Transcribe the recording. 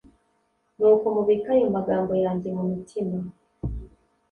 Nuko mubike ayo magambo yanjye mu mitima